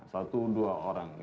satu dua orang